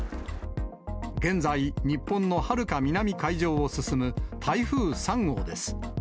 現在、日本のはるか南海上を進む台風３号です。